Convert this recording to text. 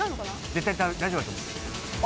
絶対大丈夫だと思う。